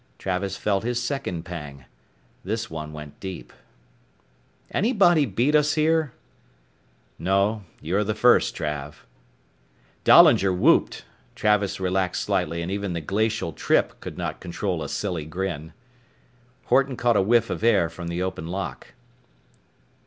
Travis felt his second pang. This one went deep. "Anybody beat us here?" "No. You're the first, Trav." Dahlinger whooped. Travis relaxed slightly and even the glacial Trippe could not control a silly grin. Horton caught a whiff of air from the open lock.